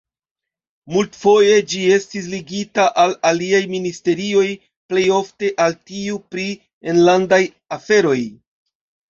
Multfoje ĝi estis ligita al aliaj ministerioj, plej ofte al tiu pri enlandaj aferoj.